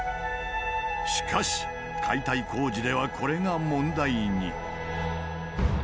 しかし解体工事ではこれが問題に。